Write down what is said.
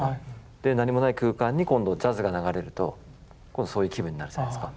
で何もない空間に今度ジャズが流れると今度そういう気分になるじゃないですか。